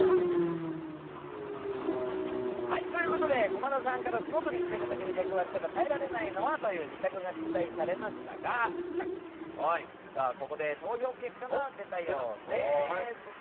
駒田さんから素潜りしている時に出くわしたら耐えられないのは？という２択が出題されましたがここで投票結果が出たようです。